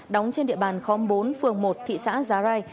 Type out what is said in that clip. đóng trên địa bàn khóm bốn phường một thị xã giá rai